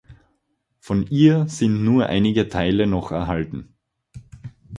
Von ihr sind nur einige Teile noch erhalten.